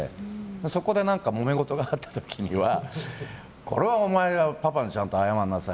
そこで、もめごとがあった時にはこれはお前がパパにちゃんと謝りなさい。